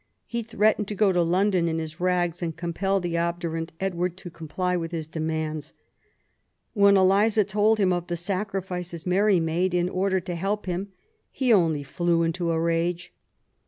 He threatened to go to London in his rags, and compel the obdurate Edward to comply with his demands. When Eliza told him of the sacrifices Mary made in order to help him, he only flew into a rage.